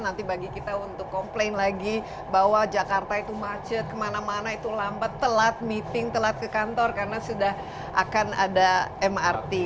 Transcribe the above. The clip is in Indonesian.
nanti bagi kita untuk komplain lagi bahwa jakarta itu macet kemana mana itu lambat telat meeting telat ke kantor karena sudah akan ada mrt